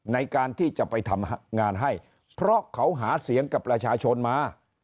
ในการที่จะไปทำงานให้เพราะเขาหาเสียงกับประชาชนมา